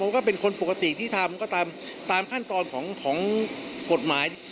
ก็เป็นคนปกติที่ทำก็ตามขั้นตอนของกฎหมาย